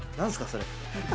それ。